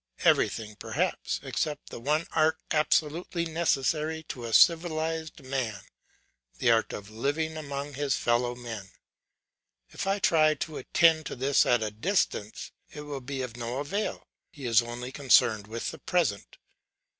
Everything perhaps, except the one art absolutely necessary to a civilised man, the art of living among his fellow men. If I try to attend to this at a distance, it will be of no avail; he is only concerned with the present.